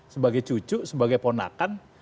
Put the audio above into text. sebagai cucu sebagai ponakan